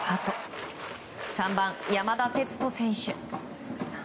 ３番、山田哲人選手。